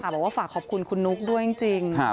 บอกว่าฝากขอบคุณคุณนุ๊กด้วยจริง